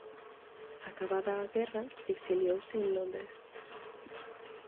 Acabada a guerra exiliouse en Londres.